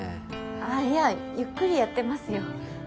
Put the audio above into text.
あいやゆっくりやってますよ。